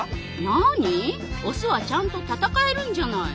なにオスはちゃんと戦えるんじゃない？